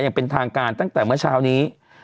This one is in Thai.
อย่างเป็นทางการตั้งแต่เมื่อเช้านี้